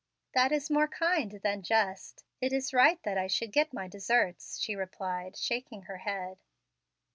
"That is more kind than just. It is right that I should get my deserts," she replied, shaking her head.